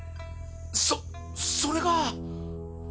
そっそれが。